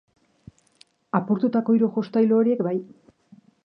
Apurtutako hiru jostailu horiek bai.